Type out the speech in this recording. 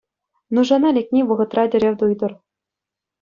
Нушана лекни вӑхӑтра тӗрев туйтӑр